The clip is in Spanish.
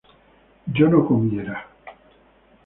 yo no comiera